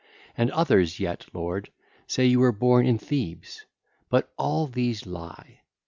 And others yet, lord, say you were born in Thebes; but all these lie.